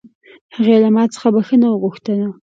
هغې له ما څخه بښنه وغوښته